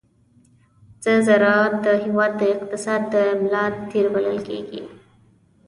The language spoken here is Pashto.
ز راعت د هېواد د اقتصاد د ملا تېر بلل کېږي.